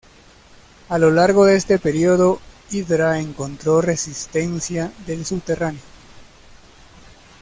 A lo largo de este período, Hydra encontró resistencia del Subterráneo.